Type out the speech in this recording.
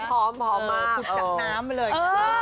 พร้อมมากจับน้ำมาเลย